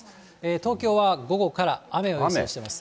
東京は午後から雨を予想しています。